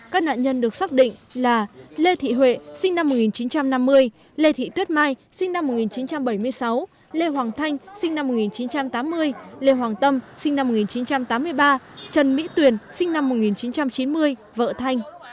các nạn nhân được xác định là lê thị huệ sinh năm một nghìn chín trăm năm mươi lê thị tuyết mai sinh năm một nghìn chín trăm bảy mươi sáu lê hoàng thanh sinh năm một nghìn chín trăm tám mươi lê hoàng tâm sinh năm một nghìn chín trăm tám mươi ba trần mỹ tuyền sinh năm một nghìn chín trăm chín mươi vợ thanh